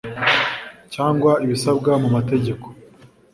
Cyangwa ibisabwa mu mategeko